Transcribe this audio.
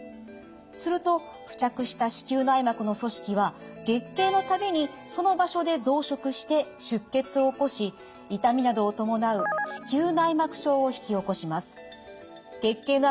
すると付着した子宮内膜の組織は月経の度にその場所で増殖して出血を起こし痛みなどを伴う子宮内膜症を引き起こします。